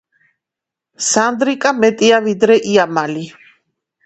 სანდრიკა მეტია ვიდრე იამალი